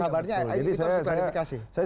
kabarnya itu harus kualifikasi